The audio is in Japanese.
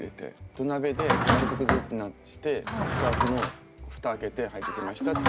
土鍋でグツグツグツってして熱々の蓋開けてはいできましたって。